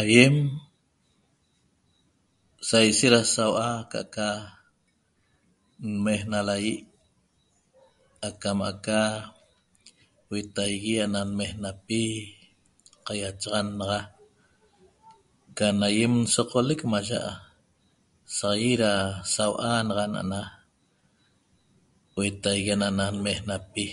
Aýem saishet da saua aca'aca nmejna laýi' acam aca huetaigui ana nmejnapi qaýachaxan naxa can aýem nsoqolec maya' saq ýit da sau'a naxa ana'ana huetaigui ana'ana nmejnapi